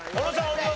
お見事。